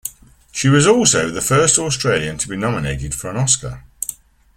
She was also the first Australian to be nominated for an Oscar.